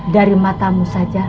dari matamu saja